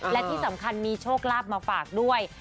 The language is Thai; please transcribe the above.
และที่สำคัญมีโชคลาภมาฝากด้วย